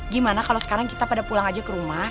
gimana kalau sekarang kita pada pulang aja ke rumah